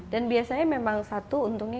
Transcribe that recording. dan biasanya memang satu untungnya